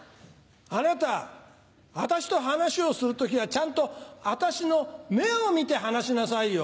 あなた私と話をする時はちゃんと私の目を見て話しなさいよ。